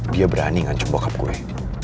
dia berani ngancam bokap gue